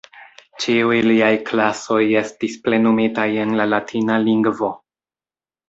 Ĉiuj liaj klasoj estis plenumitaj en la latina lingvo.